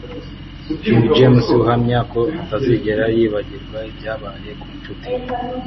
King James uhamya ko atazigera yibagirwa ibyabaye ku nshuti ye